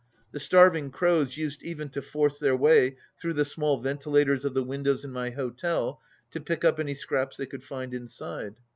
The starving crows used even to force their way through the small ventilators of the windows in my hotel to pick up any scraps they could find inside.